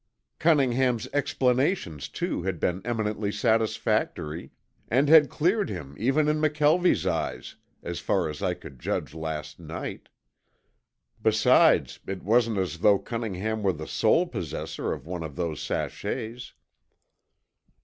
Cunningham's explanations, too, had been eminently satisfactory, and had cleared him even in McKelvie's eyes, as far as I could judge last night. Besides, it wasn't as though Cunningham were the sole possessor of one of those sachets.